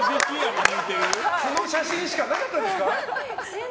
この写真しかなかったんですか。